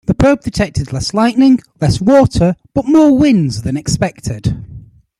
The probe detected less lightning, less water, but more winds than expected.